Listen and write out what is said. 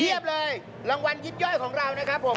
เลยรางวัลยิบย่อยของเรานะครับผม